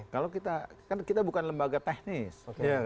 kalau kita kan kita bukan lembaga teknis